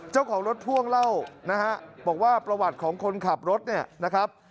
เจ้าของรถพ่วงเล่านะฮะบอกว่าประวัติของคนขับรถเนี่ยนะครับ